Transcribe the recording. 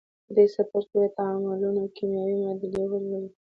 په دې څپرکي کې به تعاملونه او کیمیاوي معادلې ولولئ.